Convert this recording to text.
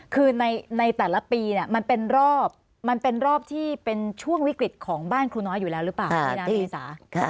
คือในแต่ละปีมันเป็นรอบมันเป็นรอบที่เป็นช่วงวิกฤตของบ้านครูน้อยอยู่แล้วหรือเปล่าพี่น้ำเมษา